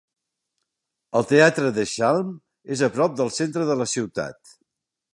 El teatre De Schalm és a prop del centre de la ciutat.